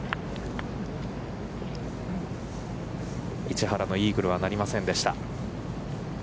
市原のイーグルはなりませんでした。